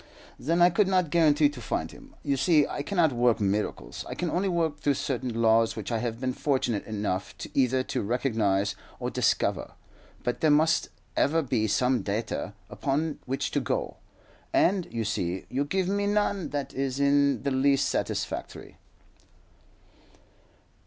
"Then I could not guarantee to find him. You see, I cannot work miracles. I can only work through certain laws which I have been fortunate enough either to recognize or discover; but there must ever be some data upon which to go, and, you see, you give me none that is in the least satisfactory."